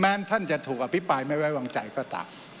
แน่นท่านจะธูอภิปรายมันไม่ไว้หวังใจก็ต่าง